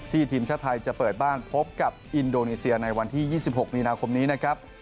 ทีมชาติไทยจะเปิดบ้านพบกับอินโดนีเซียในวันที่๒๖มีนาคมนี้นะครับ